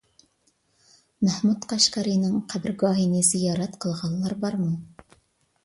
مەھمۇد قەشقەرىنىڭ قەبرىگاھىنى زىيارەت قىلغانلار بارمۇ؟